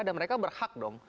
dan mereka berhak dong